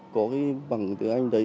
có cái bằng tiếng anh đấy